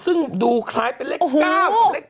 ซึ่งดูคล้ายเป็นเลข๙กับเลข๙